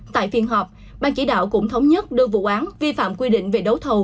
tại phiên họp ban chỉ đạo cũng thống nhất đưa vụ án vi phạm quy định về đấu thầu